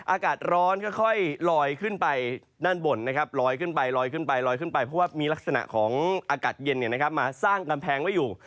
อากาศร้อนค่อยลอยขึ้นไปด้านบนนะครับลอยขึ้นไปลอยขึ้นไปลอยขึ้นไปเพราะว่ามีลักษณะของอากาศเย็นมาสร้างกำแพงไว้อยู่